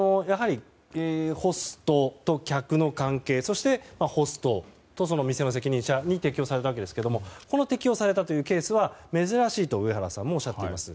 ホストと客の関係そして、ホストと店の責任者に適用されたわけですが適用されたというケースは珍しいと上原さんもおっしゃっています。